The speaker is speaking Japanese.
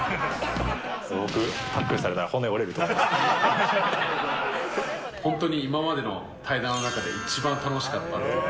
僕、タックルされたら、本当に今までの対談の中で、一番楽しかった。